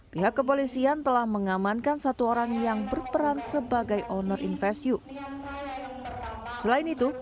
pihak kepolisian telah mengamankan satu orang yang berperan sebagai owner investyu selain itu